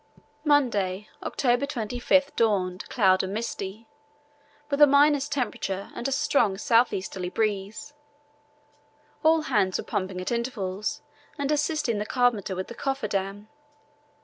Monday, October 25, dawned cloudy and misty, with a minus temperature and a strong south easterly breeze. All hands were pumping at intervals and assisting the carpenter with the coffer dam.